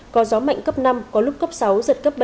có gió mạnh cấp năm có lúc cấp sáu giật cấp bảy